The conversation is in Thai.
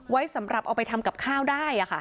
ไว้สำหรับเอาไปทำกับข้าวได้